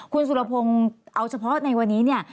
คุณสุรพงษ์เอาเฉพาะในวันนี้